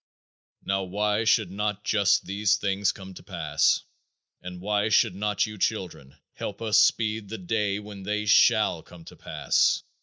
Now why should not just these things come to pass and why should not you children help us speed the day when they shall come to pass?